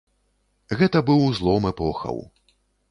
Гэта быў злом эпохаў.